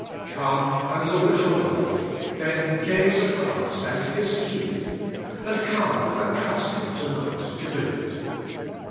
Come and look at your life; then gaze at Christ and His keeping, and come and trust Him, to night, to do it.